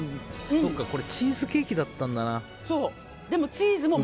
そっかチーズケーキだったんだな。